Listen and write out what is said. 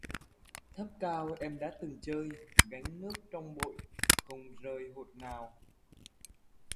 Thấp cao em đã từng chơi, gánh nước trong bội, không rơi hột nào